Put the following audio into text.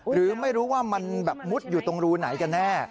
หรือไม่รู้ว่ามันแบบมุดอยู่ตรงรูไหนกันแน่